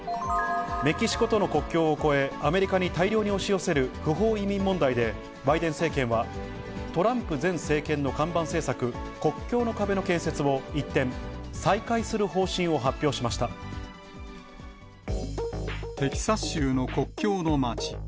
メキシコとの国境を越え、アメリカに大量に押し寄せる不法移民問題で、バイデン政権は、トランプ前政権の看板政策、国境の壁の建設を一転、再開するテキサス州の国境の町。